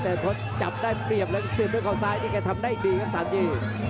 แต่พอจับได้เปรียบแล้วก็เสียบด้วยเขาซ้ายนี่แกทำได้ดีครับสามที